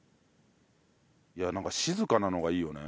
いやなんか静かなのがいいよね。